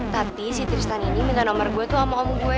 tapi si tristan ini minta nomor gue tuh sama om gue